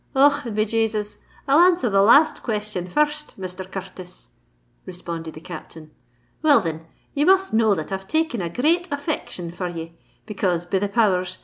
"Och! and be Jasus, I'll answer the last question fir rst, Mr. Cur rtis," responded the Captain. "Well, thin, ye must know that I've taken a great affection for ye, because, be the power rs!